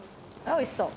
おいしそう。